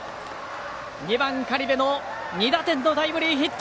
２番、苅部の２打点タイムリーヒット。